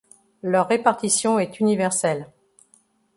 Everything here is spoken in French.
Leur répartition est universelle.